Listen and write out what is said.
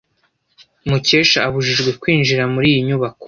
Mukesha abujijwe kwinjira muri iyi nyubako.